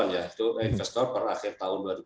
itu investor perakhir tahun dua ribu dua puluh satu